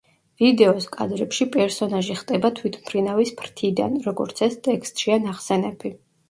ვიდეოს კადრებში პერსონაჟი ხტება თვითმფრინავის ფრთიდან, როგორც ეს ტექსტშია ნახსენები.